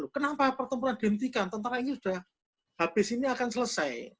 kenapa pertempuran dihentikan tentara ini sudah habis ini akan selesai